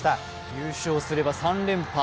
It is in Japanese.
優勝すれば３連覇。